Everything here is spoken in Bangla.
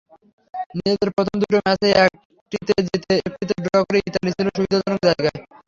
নিজেদের প্রথম দুটো ম্যাচে একটিতে জিতে, একটিতে ড্র করে ইতালি ছিল সুবিধাজনক জায়গায়।